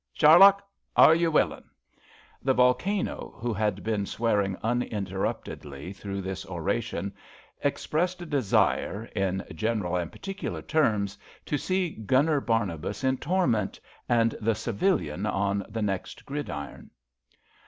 Shaddock, are you willin'? '^ The volcano, who had been swearing uninterrupt edly through this oration, expressed a desire, in general and particular terms, to see Gunner Bar nabas in Torment and the civilian on the next gridiron.